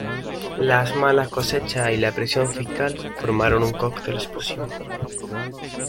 Las malas cosechas y la presión fiscal formaron un cóctel explosivo.